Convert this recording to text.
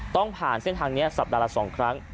ต้องผ่านเส้นทางนี้สัปดาห์ละ๒ครั้ง